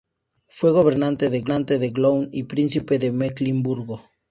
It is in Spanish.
Fue gobernante de Gotland y príncipe de Mecklemburgo.